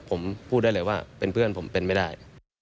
ผมพูดได้เลยว่าเป็นเพื่อนผมเป็นไม่ได้